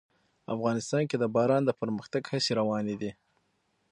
افغانستان کې د باران د پرمختګ هڅې روانې دي.